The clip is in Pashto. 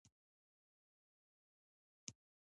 دې ستنو مثال مې په بل هېواد کې نه دی لیدلی.